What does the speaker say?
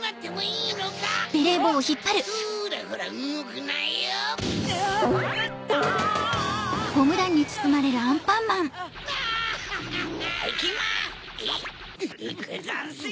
いくざんすよ！